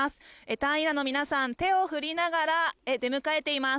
隊員らの皆さん手を振りながら出迎えています。